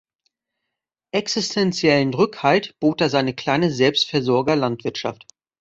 Existentiellen Rückhalt bot da seine kleine Selbstversorger-Landwirtschaft.